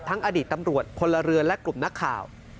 อดีตตำรวจพลเรือนและกลุ่มนักข่าว